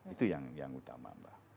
itu yang utama